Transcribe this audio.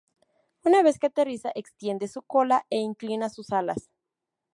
Una vez que aterriza, extiende su cola e inclina sus alas.